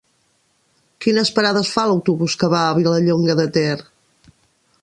Quines parades fa l'autobús que va a Vilallonga de Ter?